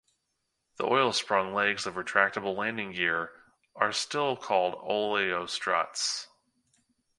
The oil-sprung legs of retractable landing gear are still called "Oleo struts".